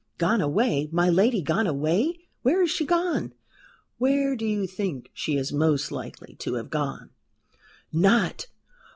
"Gone away? My lady gone away? Where is she gone?" "Where do you think she is most likely to have gone?" "Not?